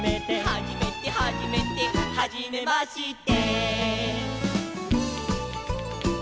「はじめてはじめて」「はじめまして」